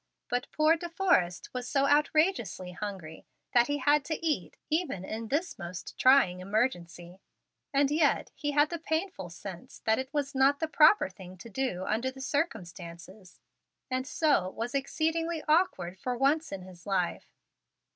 But poor De Forrest was so outrageously hungry that he had to eat even in this most trying emergency. And yet he had a painful sense that it was not the proper thing to do under the circumstances, and so was exceedingly awkward, for once in his life.